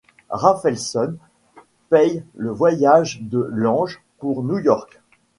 Rafelson paye le voyage de Lange pour New York.